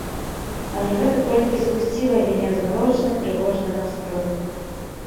Але гэта толькі згусціла яе змрочны, трывожны настрой.